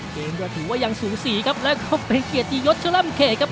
เกมประถูกว่ายังสูสีครับแล้วก็เป็นเกลียดตียดชะล่ำแข่ครับ